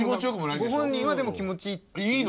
ご本人はでも気持ちいい。いいの？